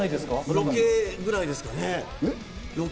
ロケぐらいですかね。